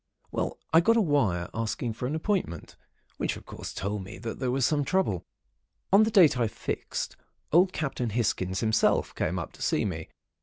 "Well, I got a wire, asking for an appointment, which of course told me that there was some trouble. On the date I fixed, old Captain Hisgins himself came up to see me.